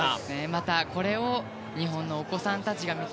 またこれを日本のお子さんたちが見て。